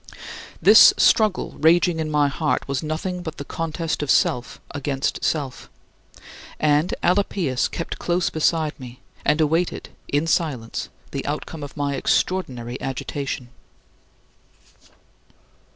This struggle raging in my heart was nothing but the contest of self against self. And Alypius kept close beside me, and awaited in silence the outcome of my extraordinary agitation.